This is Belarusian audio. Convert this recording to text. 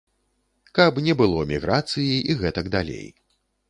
Каб не было міграцыі і гэтак далей.